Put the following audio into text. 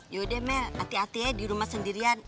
yaudah mel hati hati ya di rumah sendirian